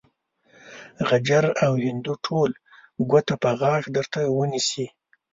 غجر او هندو ټول ګوته په غاښ درته ونيسي.